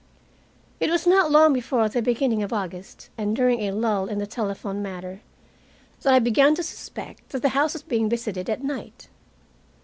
It was not long before the beginning of August, and during a lull in the telephone matter, that I began to suspect that the house was being visited at night.